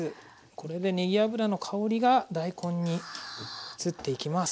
これでねぎ油の香りが大根に移っていきます。